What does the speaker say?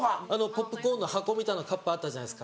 ポップコーンの箱みたいなカップあったじゃないですか。